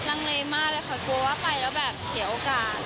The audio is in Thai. ลังเลมากเลยค่ะกลัวว่าไปแล้วแบบเสียโอกาส